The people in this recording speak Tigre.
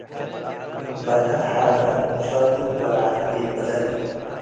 በርከ ተሓቱ ዐድ ሙሳቱ ወለዓሉ ቤት ብደል